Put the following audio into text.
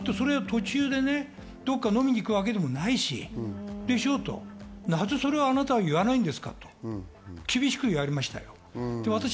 途中で飲みに行くわけでもないし、なぜそれをあなたは言わないんですかと、厳しく言われました。